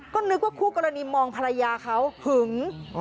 ก็นึกว่าคู่กรณีมองภรรยาเขาหึง